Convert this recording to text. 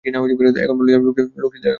এখন বল, যে- লোকটি দেখা করতে এসেছে, সে কেমন?